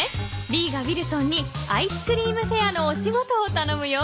ヴィーがウィルソンにアイスクリーム・フェアのお仕事をたのむよ。